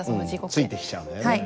ついてきちゃうんだよね。